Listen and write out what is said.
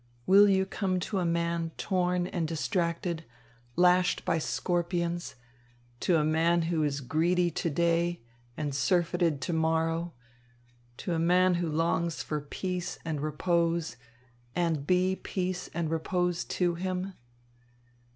Will you come to a man torn and distracted, lashed by scorpions, to a man who is greedy to day and surfeited to morrow, to a man who longs for peace and repose, and be peace and repose to him?